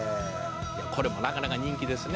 「これもなかなか人気ですね」